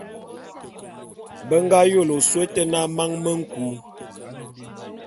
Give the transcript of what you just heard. Be nga yôle ôsôé ôte na Man me nku.